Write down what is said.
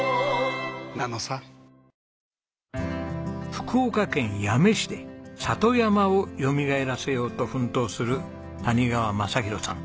福岡県八女市で里山をよみがえらせようと奮闘する谷川雅啓さん。